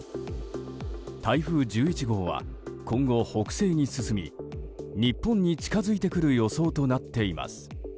台風１１号は今後、北西に進み日本に近づいてくる予想となっています。